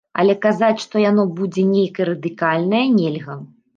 Але казаць, што яно будзе нейкае радыкальнае, нельга.